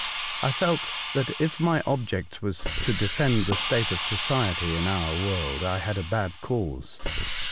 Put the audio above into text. I felt that if my object was to defend the state of society in our world, I had a bad cause.